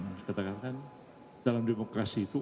dan saya mengatakan dalam demokrasi itu